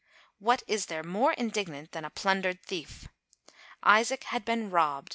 What is there more indignant than a plundered thief? Isaac had been robbed.